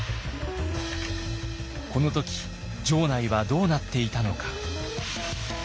この時城内はどうなっていたのか。